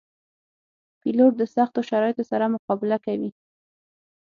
پیلوټ د سختو شرایطو سره مقابله کوي.